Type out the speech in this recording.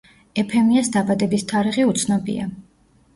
ეფემიას დაბადების თარიღი უცნობია.